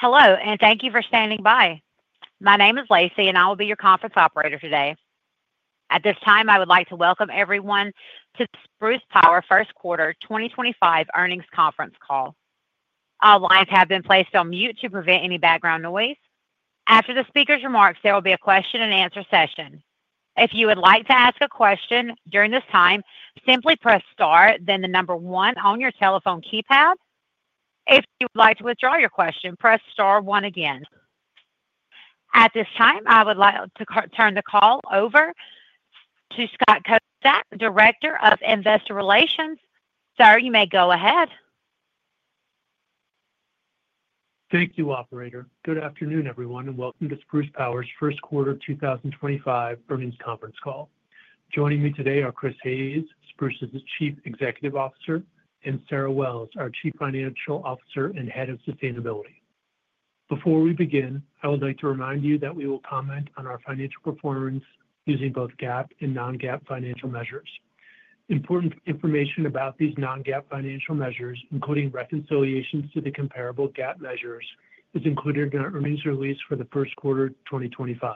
Hello, and thank you for standing by. My name is Lacey, and I will be your conference operator today. At this time, I would like to welcome everyone to the Spruce Power first quarter 2025 earnings conference call. All lines have been placed on mute to prevent any background noise. After the speaker's remarks, there will be a question-and-answer session. If you would like to ask a question during this time, simply press Star, then the number one on your telephone keypad. If you would like to withdraw your question, press Star one again. At this time, I would like to turn the call over to Scott Kozak, Director of Investor Relations. Sir, you may go ahead. Thank you, Operator. Good afternoon, everyone, and welcome to Spruce Power's first quarter 2025 earnings conference call. Joining me today are Chris Hayes, Spruce's Chief Executive Officer, and Sarah Wells, our Chief Financial Officer and Head of Sustainability. Before we begin, I would like to remind you that we will comment on our financial performance using both GAAP and non-GAAP financial measures. Important information about these non-GAAP financial measures, including reconciliations to the comparable GAAP measures, is included in our earnings release for the first quarter of 2025.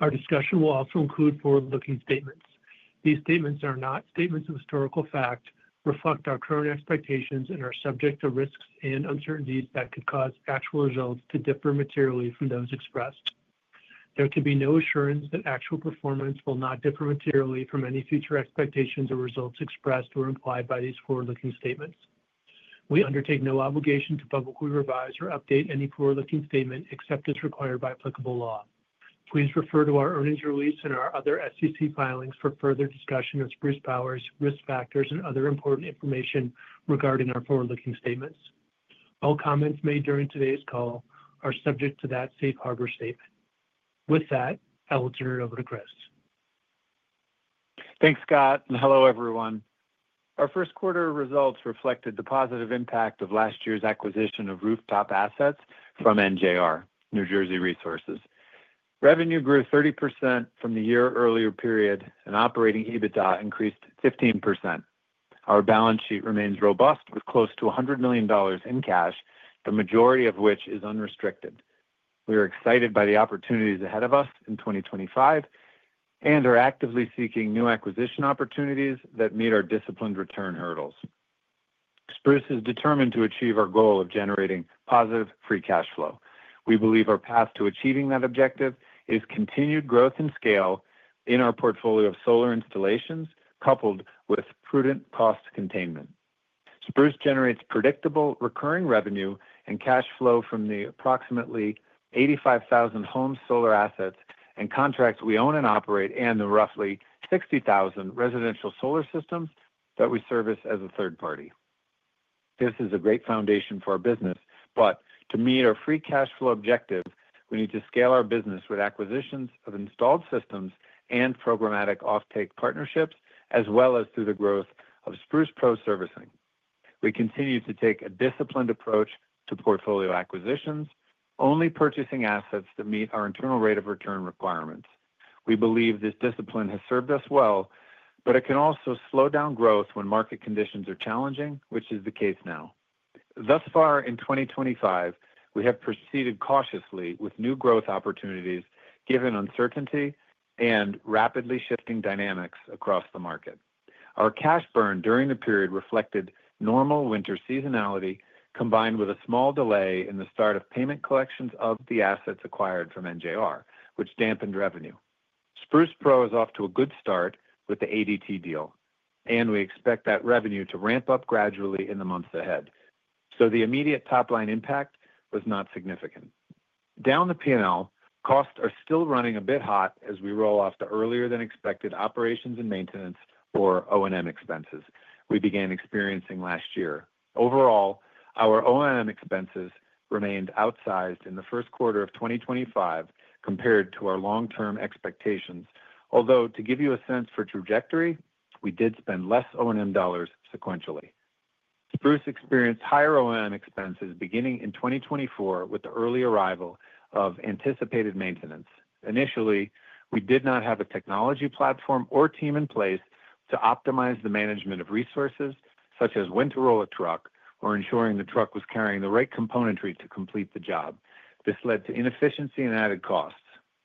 Our discussion will also include forward-looking statements. These statements are not statements of historical fact, reflect our current expectations, and are subject to risks and uncertainties that could cause actual results to differ materially from those expressed. There can be no assurance that actual performance will not differ materially from any future expectations or results expressed or implied by these forward-looking statements. We undertake no obligation to publicly revise or update any forward-looking statement except as required by applicable law. Please refer to our earnings release and our other SEC filings for further discussion of Spruce Power's risk factors and other important information regarding our forward-looking statements. All comments made during today's call are subject to that Safe Harbor statement. With that, I will turn it over to Chris. Thanks, Scott. Hello, everyone. Our first quarter results reflected the positive impact of last year's acquisition of rooftop assets from NJR, New Jersey Resources. Revenue grew 30% from the year earlier period, and operating EBITDA increased 15%. Our balance sheet remains robust with close to $100 million in cash, the majority of which is unrestricted. We are excited by the opportunities ahead of us in 2025 and are actively seeking new acquisition opportunities that meet our disciplined return hurdles. Spruce is determined to achieve our goal of generating positive free cash flow. We believe our path to achieving that objective is continued growth and scale in our portfolio of solar installations, coupled with prudent cost containment. Spruce generates predictable recurring revenue and cash flow from the approximately 85,000 home solar assets and contracts we own and operate, and the roughly 60,000 residential solar systems that we service as a third party. This is a great foundation for our business, but to meet our free cash flow objective, we need to scale our business with acquisitions of installed systems and programmatic offtake partnerships, as well as through the growth of Spruce Pro Servicing. We continue to take a disciplined approach to portfolio acquisitions, only purchasing assets that meet our internal rate of return requirements. We believe this discipline has served us well, but it can also slow down growth when market conditions are challenging, which is the case now. Thus far, in 2025, we have proceeded cautiously with new growth opportunities given uncertainty and rapidly shifting dynamics across the market. Our cash burn during the period reflected normal winter seasonality, combined with a small delay in the start of payment collections of the assets acquired from NJR, which dampened revenue. Spruce Pro is off to a good start with the ADT deal, and we expect that revenue to ramp up gradually in the months ahead, so the immediate top-line impact was not significant. Down the P&L, costs are still running a bit hot as we roll off the earlier-than-expected operations and maintenance, or O&M, expenses we began experiencing last year. Overall, our O&M expenses remained outsized in the first quarter of 2025 compared to our long-term expectations, although to give you a sense for trajectory, we did spend less O&M dollars sequentially. Spruce experienced higher O&M expenses beginning in 2024 with the early arrival of anticipated maintenance. Initially, we did not have a technology platform or team in place to optimize the management of resources, such as when to roll a truck or ensuring the truck was carrying the right componentry to complete the job. This led to inefficiency and added costs.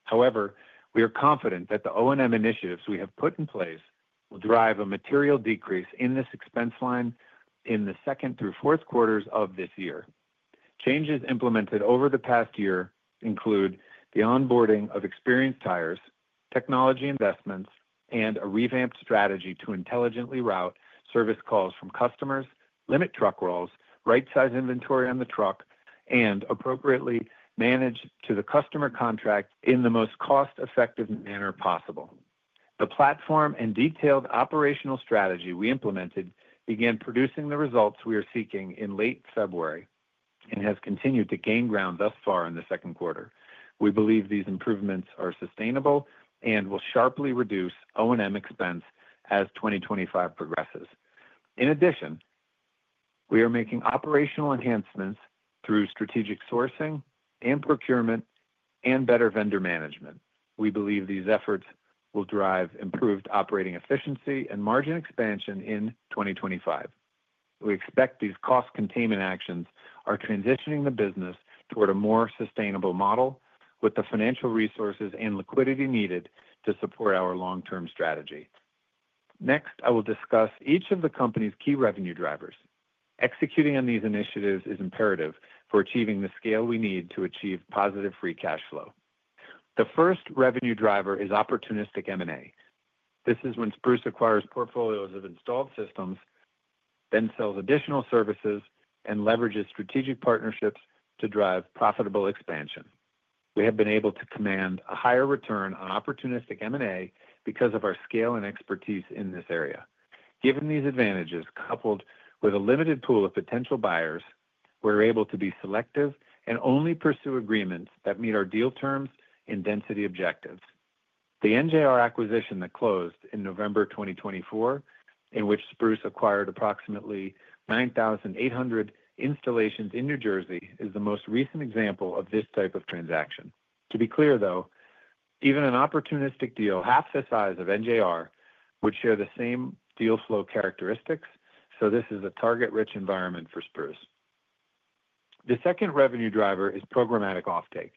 However, we are confident that the O&M initiatives we have put in place will drive a material decrease in this expense line in the second through fourth quarters of this year. Changes implemented over the past year include the onboarding of experienced techs, technology investments, and a revamped strategy to intelligently route service calls from customers, limit truck rolls, right-size inventory on the truck, and appropriately manage to the customer contract in the most cost-effective manner possible. The platform and detailed operational strategy we implemented began producing the results we are seeking in late February and has continued to gain ground thus far in the second quarter. We believe these improvements are sustainable and will sharply reduce O&M expense as 2025 progresses. In addition, we are making operational enhancements through strategic sourcing and procurement and better vendor management. We believe these efforts will drive improved operating efficiency and margin expansion in 2025. We expect these cost containment actions are transitioning the business toward a more sustainable model with the financial resources and liquidity needed to support our long-term strategy. Next, I will discuss each of the company's key revenue drivers. Executing on these initiatives is imperative for achieving the scale we need to achieve positive free cash flow. The first revenue driver is opportunistic M&A. This is when Spruce acquires portfolios of installed systems, then sells additional services, and leverages strategic partnerships to drive profitable expansion. We have been able to command a higher return on opportunistic M&A because of our scale and expertise in this area. Given these advantages, coupled with a limited pool of potential buyers, we're able to be selective and only pursue agreements that meet our deal terms and density objectives. The NJR acquisition that closed in November 2024, in which Spruce acquired approximately 9,800 installations in New Jersey, is the most recent example of this type of transaction. To be clear, though, even an opportunistic deal half the size of NJR would share the same deal flow characteristics, so this is a target-rich environment for Spruce. The second revenue driver is programmatic offtake.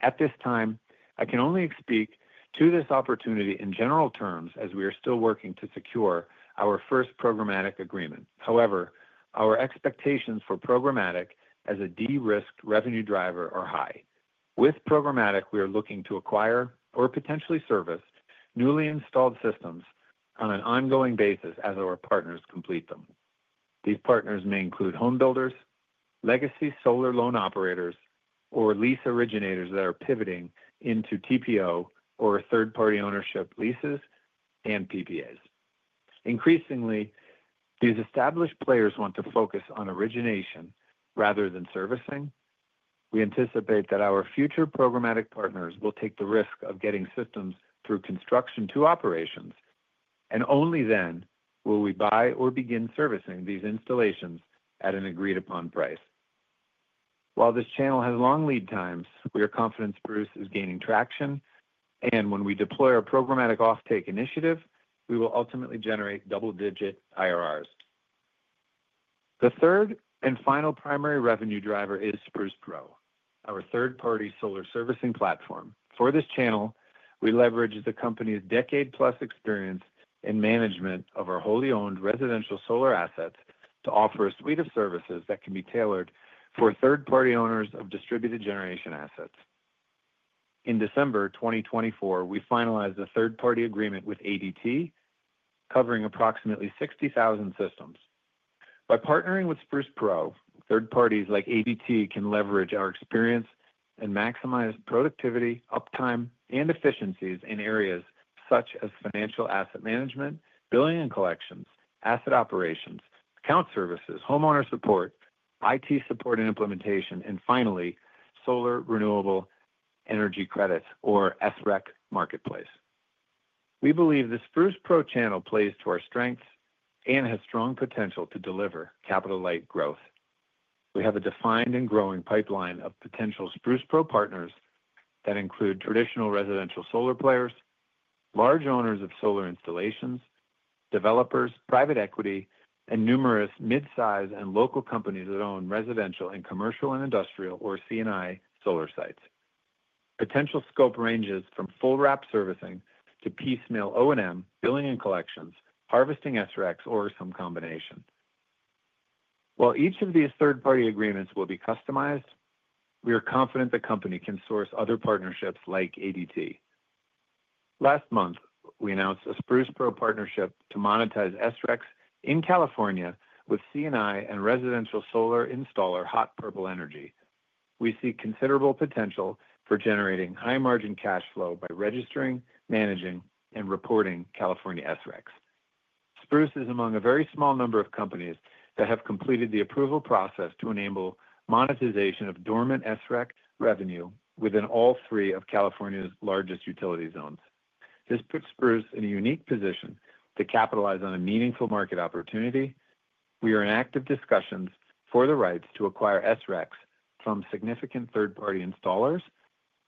At this time, I can only speak to this opportunity in general terms as we are still working to secure our first programmatic agreement. However, our expectations for programmatic as a de-risked revenue driver are high. With programmatic, we are looking to acquire or potentially service newly installed systems on an ongoing basis as our partners complete them. These partners may include home builders, legacy solar loan operators, or lease originators that are pivoting into TPO or third-party ownership leases and PPAs. Increasingly, these established players want to focus on origination rather than servicing. We anticipate that our future programmatic partners will take the risk of getting systems through construction to operations, and only then will we buy or begin servicing these installations at an agreed-upon price. While this channel has long lead times, we are confident Spruce is gaining traction, and when we deploy our programmatic offtake initiative, we will ultimately generate double-digit IRRs. The third and final primary revenue driver is Spruce Pro, our third-party solar servicing platform. For this channel, we leverage the company's decade-plus experience in management of our wholly owned residential solar assets to offer a suite of services that can be tailored for third-party owners of distributed generation assets. In December 2024, we finalized a third-party agreement with ADT, covering approximately 60,000 systems. By partnering with Spruce Pro, third parties like ADT can leverage our experience and maximize productivity, uptime, and efficiencies in areas such as financial asset management, billing and collections, asset operations, account services, homeowner support, IT support and implementation, and finally, solar renewable energy credits, or SREC, marketplace. We believe the Spruce Pro channel plays to our strengths and has strong potential to deliver capital-light growth. We have a defined and growing pipeline of potential Spruce Pro partners that include traditional residential solar players, large owners of solar installations, developers, private equity, and numerous mid-size and local companies that own residential and commercial and industrial, or C&I, solar sites. Potential scope ranges from full wrap servicing to piecemeal O&M, billing and collections, harvesting SRECs, or some combination. While each of these third-party agreements will be customized, we are confident the company can source other partnerships like ADT. Last month, we announced a Spruce Pro partnership to monetize SRECs in California with C&I and residential solar installer Hot Purple Energy. We see considerable potential for generating high-margin cash flow by registering, managing, and reporting California SRECs. Spruce is among a very small number of companies that have completed the approval process to enable monetization of dormant SREC revenue within all three of California's largest utility zones. This puts Spruce in a unique position to capitalize on a meaningful market opportunity. We are in active discussions for the rights to acquire SRECs from significant third-party installers,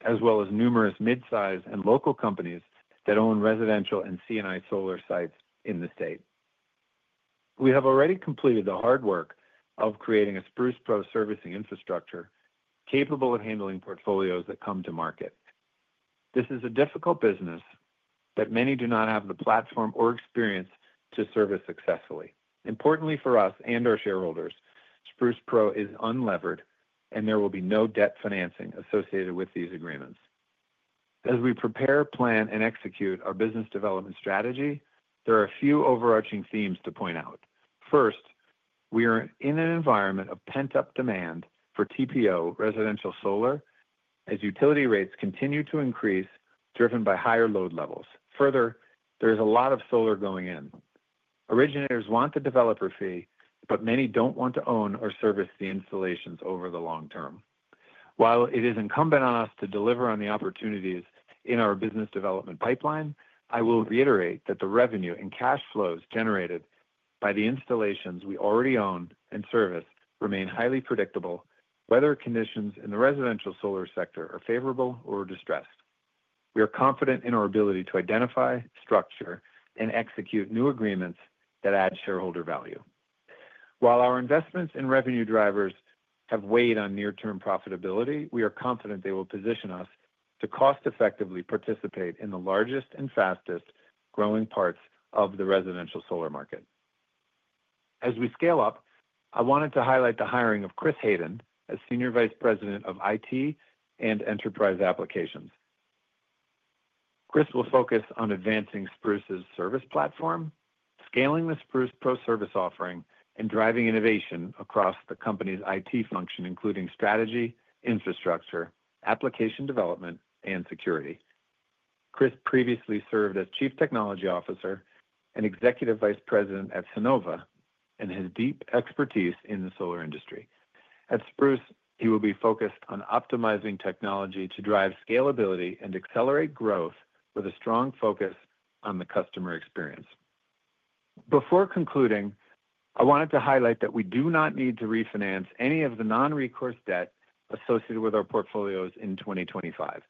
as well as numerous mid-size and local companies that own residential and C&I solar sites in the state. We have already completed the hard work of creating a Spruce Pro servicing infrastructure capable of handling portfolios that come to market. This is a difficult business, but many do not have the platform or experience to service successfully. Importantly for us and our shareholders, Spruce Pro is unlevered, and there will be no debt financing associated with these agreements. As we prepare, plan, and execute our business development strategy, there are a few overarching themes to point out. First, we are in an environment of pent-up demand for TPO residential solar as utility rates continue to increase, driven by higher load levels. Further, there is a lot of solar going in. Originators want the developer fee, but many do not want to own or service the installations over the long term. While it is incumbent on us to deliver on the opportunities in our business development pipeline, I will reiterate that the revenue and cash flows generated by the installations we already own and service remain highly predictable, whether conditions in the residential solar sector are favorable or distressed. We are confident in our ability to identify, structure, and execute new agreements that add shareholder value. While our investments and revenue drivers have weighed on near-term profitability, we are confident they will position us to cost-effectively participate in the largest and fastest growing parts of the residential solar market. As we scale up, I wanted to highlight the hiring of Chris Hayden as Senior Vice President of IT and Enterprise Applications. Chris will focus on advancing Spruce's service platform, scaling the Spruce Pro service offering, and driving innovation across the company's IT function, including strategy, infrastructure, application development, and security. Chris previously served as Chief Technology Officer and Executive Vice President at Sunnova and has deep expertise in the solar industry. At Spruce, he will be focused on optimizing technology to drive scalability and accelerate growth with a strong focus on the customer experience. Before concluding, I wanted to highlight that we do not need to refinance any of the non-recourse debt associated with our portfolios in 2025.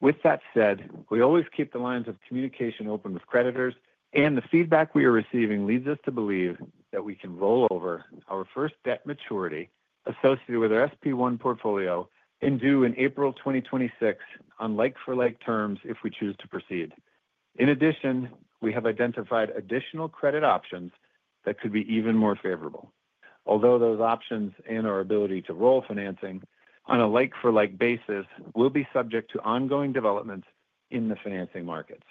With that said, we always keep the lines of communication open with creditors, and the feedback we are receiving leads us to believe that we can roll over our first debt maturity associated with our SP1 portfolio and due in April 2026 on like-for-like terms if we choose to proceed. In addition, we have identified additional credit options that could be even more favorable, although those options and our ability to roll financing on a like-for-like basis will be subject to ongoing developments in the financing markets.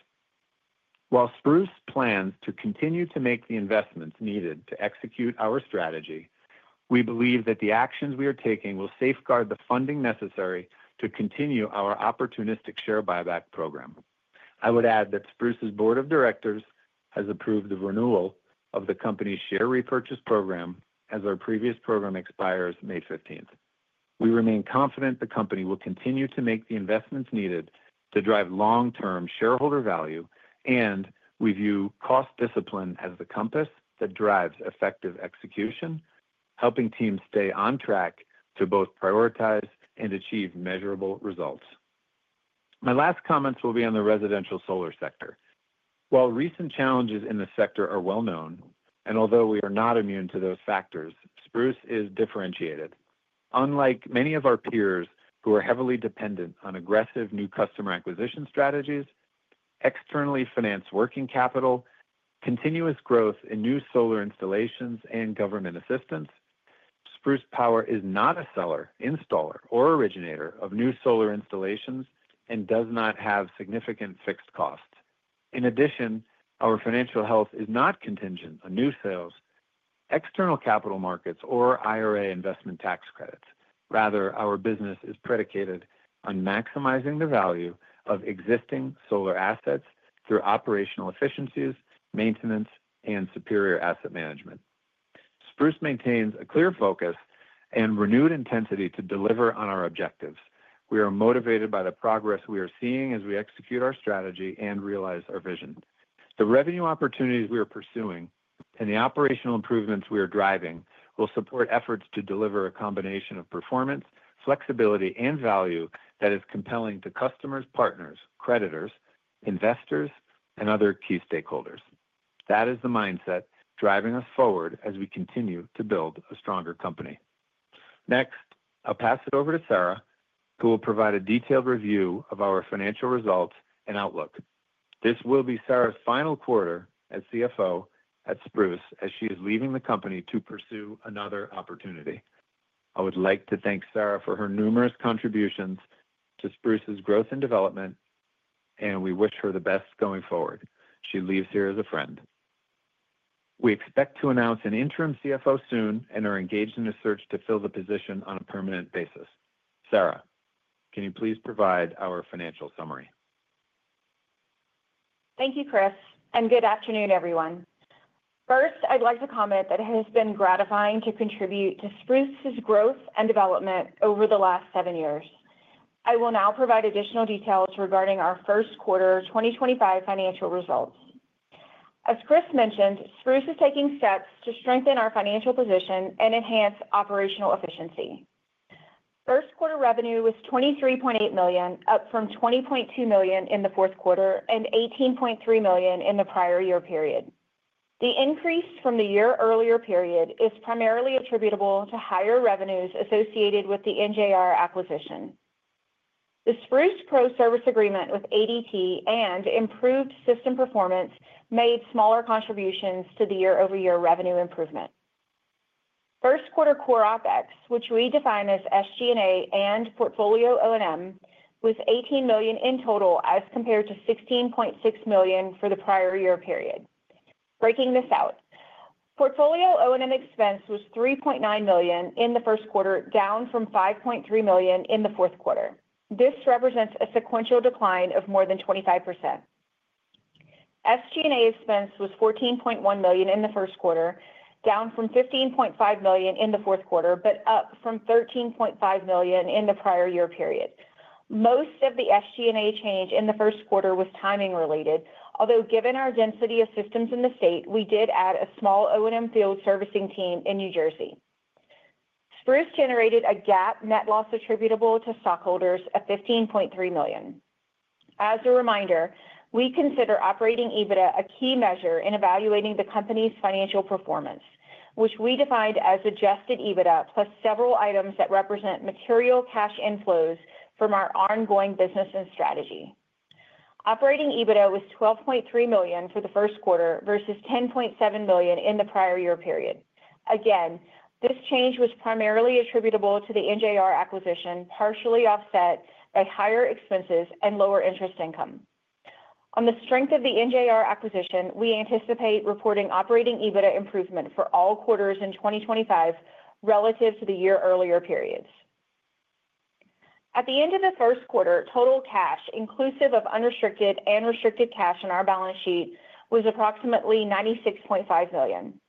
While Spruce plans to continue to make the investments needed to execute our strategy, we believe that the actions we are taking will safeguard the funding necessary to continue our opportunistic share buyback program. I would add that Spruce's board of directors has approved the renewal of the company's share repurchase program as our previous program expires May 15th. We remain confident the company will continue to make the investments needed to drive long-term shareholder value, and we view cost discipline as the compass that drives effective execution, helping teams stay on track to both prioritize and achieve measurable results. My last comments will be on the residential solar sector. While recent challenges in the sector are well-known, and although we are not immune to those factors, Spruce is differentiated. Unlike many of our peers who are heavily dependent on aggressive new customer acquisition strategies, externally financed working capital, continuous growth in new solar installations, and government assistance, Spruce Power is not a seller, installer, or originator of new solar installations and does not have significant fixed costs. In addition, our financial health is not contingent on new sales, external capital markets, or IRA investment tax credits. Rather, our business is predicated on maximizing the value of existing solar assets through operational efficiencies, maintenance, and superior asset management. Spruce maintains a clear focus and renewed intensity to deliver on our objectives. We are motivated by the progress we are seeing as we execute our strategy and realize our vision. The revenue opportunities we are pursuing and the operational improvements we are driving will support efforts to deliver a combination of performance, flexibility, and value that is compelling to customers, partners, creditors, investors, and other key stakeholders. That is the mindset driving us forward as we continue to build a stronger company. Next, I'll pass it over to Sarah, who will provide a detailed review of our financial results and outlook. This will be Sarah's final quarter as CFO at Spruce as she is leaving the company to pursue another opportunity. I would like to thank Sarah for her numerous contributions to Spruce's growth and development, and we wish her the best going forward. She leaves here as a friend. We expect to announce an interim CFO soon and are engaged in a search to fill the position on a permanent basis. Sarah, can you please provide our financial summary? Thank you, Chris, and good afternoon, everyone. First, I'd like to comment that it has been gratifying to contribute to Spruce's growth and development over the last seven years. I will now provide additional details regarding our first quarter 2025 financial results. As Chris mentioned, Spruce is taking steps to strengthen our financial position and enhance operational efficiency. First quarter revenue was $23.8 million, up from $20.2 million in the fourth quarter and $18.3 million in the prior year period. The increase from the year earlier period is primarily attributable to higher revenues associated with the NJR acquisition. The Spruce Pro service agreement with ADT and improved system performance made smaller contributions to the year-over-year revenue improvement. First quarter core OpEx, which we define as SG&A and portfolio O&M, was $18 million in total as compared to $16.6 million for the prior year period. Breaking this out, portfolio O&M expense was $3.9 million in the first quarter, down from $5.3 million in the fourth quarter. This represents a sequential decline of more than 25%. SG&A expense was $14.1 million in the first quarter, down from $15.5 million in the fourth quarter, but up from $13.5 million in the prior year period. Most of the SG&A change in the first quarter was timing-related, although given our density of systems in the state, we did add a small O&M field servicing team in New Jersey. Spruce generated a GAAP net loss attributable to stockholders of $15.3 million. As a reminder, we consider operating EBITDA a key measure in evaluating the company's financial performance, which we defined as adjusted EBITDA plus several items that represent material cash inflows from our ongoing business and strategy. Operating EBITDA was $12.3 million for the first quarter versus $10.7 million in the prior year period. Again, this change was primarily attributable to the NJR acquisition, partially offset by higher expenses and lower interest income. On the strength of the NJR acquisition, we anticipate reporting operating EBITDA improvement for all quarters in 2025 relative to the year earlier periods. At the end of the first quarter, total cash, inclusive of unrestricted and restricted cash on our balance sheet, was approximately $96.5 million.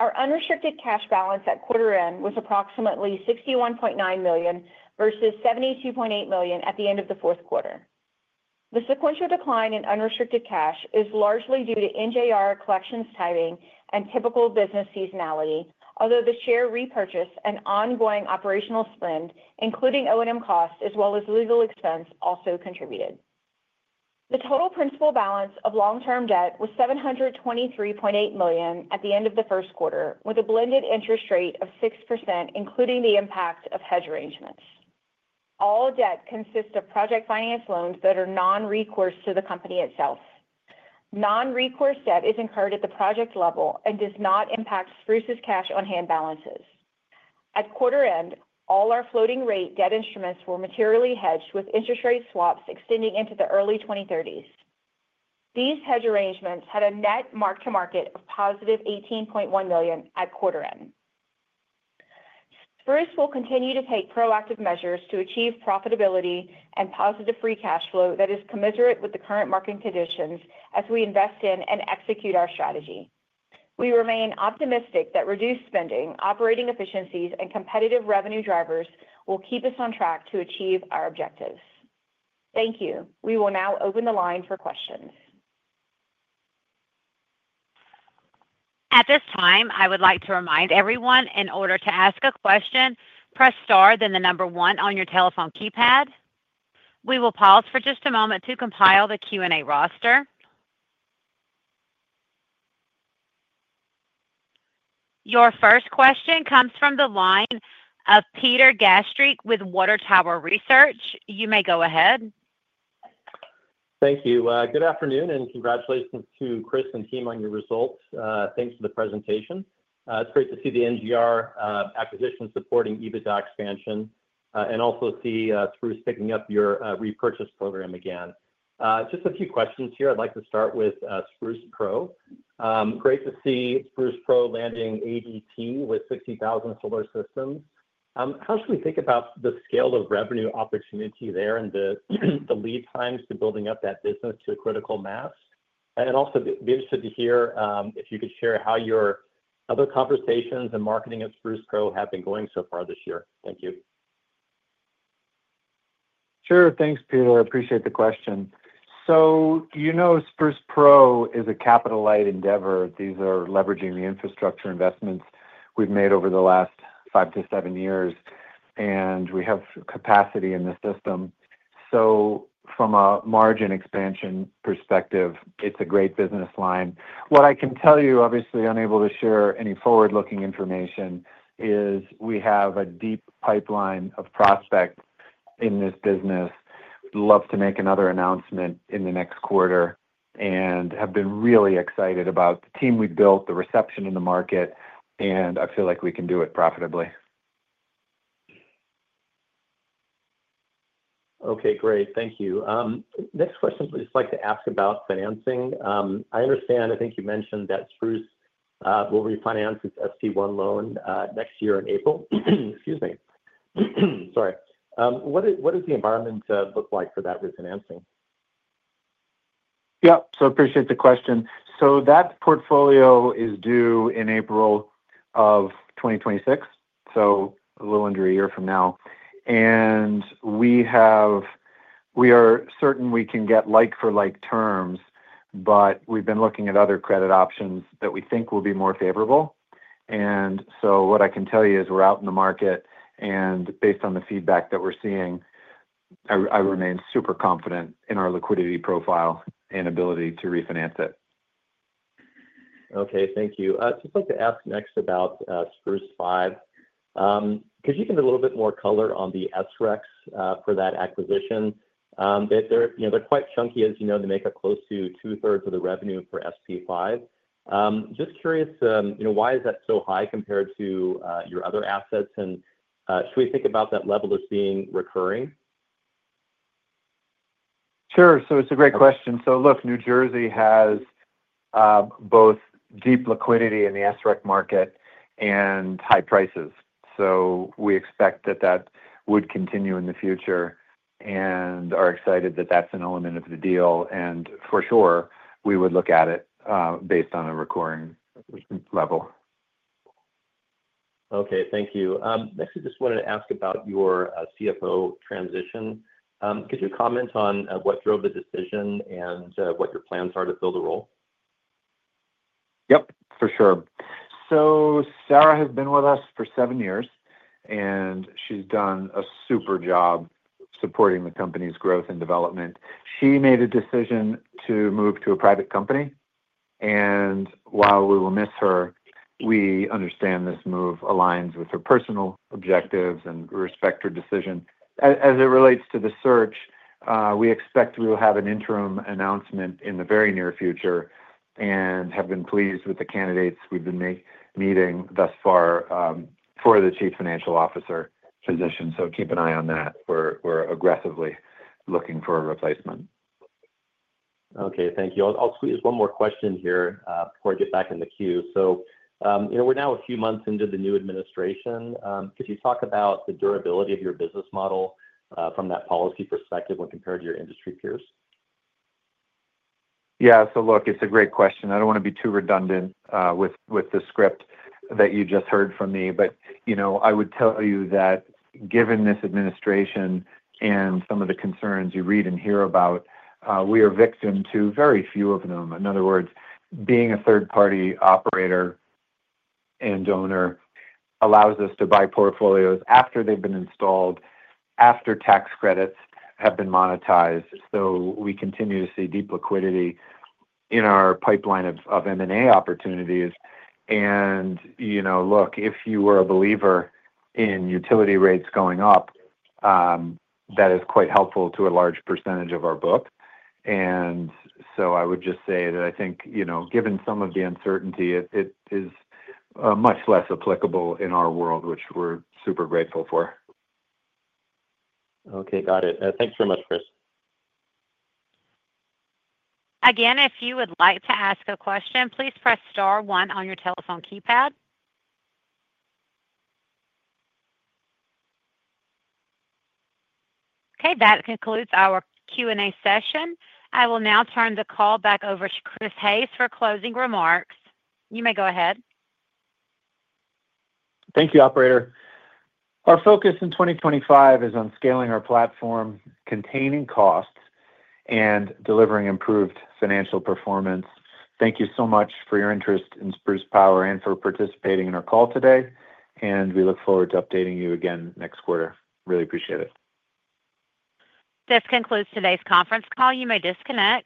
Our unrestricted cash balance at quarter end was approximately $61.9 million versus $72.8 million at the end of the fourth quarter. The sequential decline in unrestricted cash is largely due to NJR collections tightening and typical business seasonality, although the share repurchase and ongoing operational spend, including O&M costs as well as legal expense, also contributed. The total principal balance of long-term debt was $723.8 million at the end of the first quarter, with a blended interest rate of 6%, including the impact of hedge arrangements. All debt consists of project finance loans that are non-recourse to the company itself. Non-recourse debt is incurred at the project level and does not impact Spruce's cash on hand balances. At quarter end, all our floating rate debt instruments were materially hedged with interest rate swaps extending into the early 2030s. These hedge arrangements had a net mark-to-market of positive $18.1 million at quarter end. Spruce will continue to take proactive measures to achieve profitability and positive free cash flow that is commiserate with the current market conditions as we invest in and execute our strategy. We remain optimistic that reduced spending, operating efficiencies, and competitive revenue drivers will keep us on track to achieve our objectives. Thank you. We will now open the line for questions. At this time, I would like to remind everyone in order to ask a question, press star then the number one on your telephone keypad. We will pause for just a moment to compile the Q&A roster. Your first question comes from the line of Peter Gastreich with Water Tower Research. You may go ahead. Thank you. Good afternoon and congratulations to Chris and team on your results. Thanks for the presentation. It's great to see the NJR acquisition supporting EBITDA expansion and also see Spruce picking up your repurchase program again. Just a few questions here. I'd like to start with Spruce Pro. Great to see Spruce Pro landing ADT with 60,000 solar systems. How should we think about the scale of revenue opportunity there and the lead times to building up that business to a critical mass? I would also be interested to hear if you could share how your other conversations and marketing at Spruce Pro have been going so far this year. Thank you. Sure. Thanks, Peter. I appreciate the question. Spruce Pro is a capital-light endeavor. These are leveraging the infrastructure investments we've made over the last five to seven years, and we have capacity in the system. From a margin expansion perspective, it's a great business line. What I can tell you, obviously unable to share any forward-looking information, is we have a deep pipeline of prospects in this business. We'd love to make another announcement in the next quarter and have been really excited about the team we've built, the reception in the market, and I feel like we can do it profitably. Okay, great. Thank you. Next question, I'd just like to ask about financing. I understand, I think you mentioned that Spruce will refinance its SP1 loan next year in April. Excuse me. Sorry. What does the environment look like for that refinancing? Yep. I appreciate the question. That portfolio is due in April of 2026, so a little under a year from now. We are certain we can get like-for-like terms, but we've been looking at other credit options that we think will be more favorable. What I can tell you is we're out in the market, and based on the feedback that we're seeing, I remain super confident in our liquidity profile and ability to refinance it. Okay, thank you. I'd just like to ask next about Spruce 5. Could you give a little bit more color on the SREX for that acquisition? They're quite chunky, as you know, they make up close to two-thirds of the revenue for SP5. Just curious, why is that so high compared to your other assets? Should we think about that level as being recurring? Sure. It's a great question. Look, New Jersey has both deep liquidity in the SREC market and high prices. We expect that that would continue in the future and are excited that that's an element of the deal. For sure, we would look at it based on a recurring level. Okay, thank you. Next, I just wanted to ask about your CFO transition. Could you comment on what drove the decision and what your plans are to fill the role? Yep, for sure. Sarah has been with us for seven years, and she's done a super job supporting the company's growth and development. She made a decision to move to a private company. While we will miss her, we understand this move aligns with her personal objectives and respect her decision. As it relates to the search, we expect we will have an interim announcement in the very near future and have been pleased with the candidates we've been meeting thus far for the Chief Financial Officer position. Keep an eye on that. We're aggressively looking for a replacement. Okay, thank you. I'll squeeze one more question here before I get back in the queue. We're now a few months into the new administration. Could you talk about the durability of your business model from that policy perspective when compared to your industry peers? Yeah. Look, it's a great question. I don't want to be too redundant with the script that you just heard from me. I would tell you that given this administration and some of the concerns you read and hear about, we are victim to very few of them. In other words, being a third-party operator and donor allows us to buy portfolios after they've been installed, after tax credits have been monetized. We continue to see deep liquidity in our pipeline of M&A opportunities. Look, if you were a believer in utility rates going up, that is quite helpful to a large percentage of our book. I would just say that I think given some of the uncertainty, it is much less applicable in our world, which we're super grateful for. Okay, got it. Thanks very much, Chris. Again, if you would like to ask a question, please press star one on your telephone keypad. Okay, that concludes our Q&A session. I will now turn the call back over to Chris Hayes for closing remarks. You may go ahead. Thank you, Operator. Our focus in 2025 is on scaling our platform, containing costs, and delivering improved financial performance. Thank you so much for your interest in Spruce Power and for participating in our call today. We look forward to updating you again next quarter. Really appreciate it. This concludes today's conference call. You may disconnect.